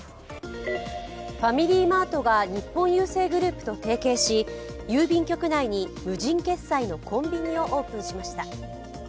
ファミリーマートが日本郵政グループと提携し、郵便局内に無人決済のコンビニをオープンしました。